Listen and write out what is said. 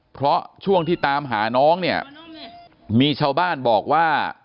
เพราะช่วงที่ตามหาน้องเนี่ยมีชาวบ้านบอกว่า